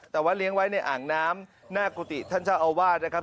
แต่ว่าเลี้ยงไว้ในอ่างน้ำหน้ากุฏิท่านเจ้าอาวาสนะครับ